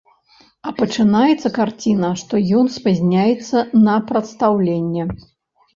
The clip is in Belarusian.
А пачынаецца карціна, што ён спазняецца на прадстаўленне.